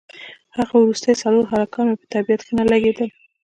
هغه وروستي څلور هلکان مې په طبیعت ښه نه لګېدل.